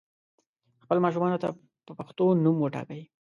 خپل ماشومانو ته پښتو نوم وټاکئ